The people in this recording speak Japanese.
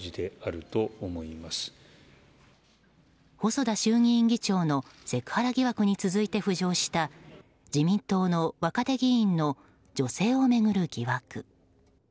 細田衆議院議長のセクハラ疑惑に続いて浮上した自民党の若手議員の女性を巡る疑惑。